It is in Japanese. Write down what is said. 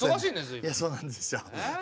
いやそうなんですよ。